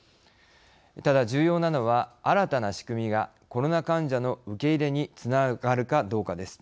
ただ重要なのは、新たな仕組みがコロナ患者の受け入れにつながるかどうかです。